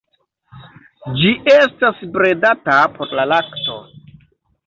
Ĝi estas bredata por la lakto.